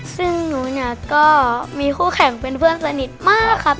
ซึ่งหนูเนี่ยก็มีคู่แข่งเป็นเพื่อนสนิทมากครับ